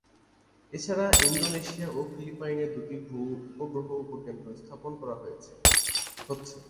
এছাড়া ইন্দোনেশিয়া ও ফিলিপাইনে দুটি ভূ-উপগ্রহ উপকেন্দ্র স্থাপন করা হচ্ছে।